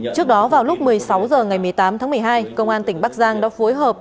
trước đó vào lúc một mươi sáu h ngày một mươi tám tháng một mươi hai công an tỉnh bắc giang đã phối hợp